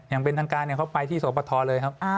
อย่างเป็นทางการเขาไปที่สปทเลยครับ